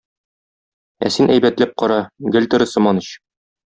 Ә син әйбәтләп кара - гел тере сыман ич!